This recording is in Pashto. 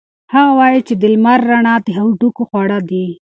هغه وایي چې د لمر رڼا د هډوکو خواړه دي.